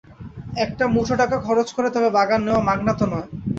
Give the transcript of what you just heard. -একটা মুঠো টাকা খরচ করে তবে বাগান নেওয়া-মাগনা তো নয়।